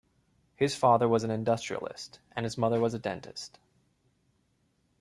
His father was an industrialist and his mother was a dentist.